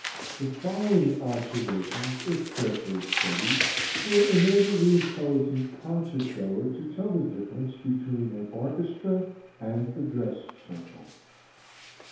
The following observations, if carefully studied, will enable the intelligent concertgoer to tell the difference between an orchestra and a dress circle.)